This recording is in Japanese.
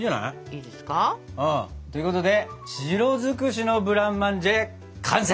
いいですか？ということで白尽くしの「ブランマンジェ」完成！